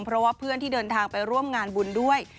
เพราะว่าเพื่อนที่เดินทางไปร่วมงานบุญด้วย